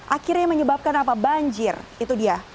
akhirnya menyebabkan apa banjir itu dia